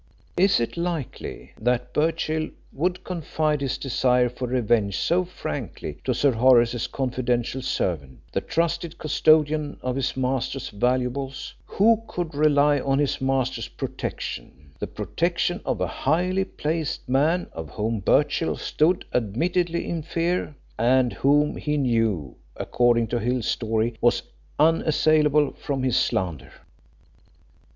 Is it likely that Birchill would confide his desire for revenge so frankly to Sir Horace's confidential servant, the trusted custodian of his master's valuables, who could rely on his master's protection the protection of a highly placed man of whom Birchill stood admittedly in fear, and whom he knew, according to Hill's story, was unassailable from his slander?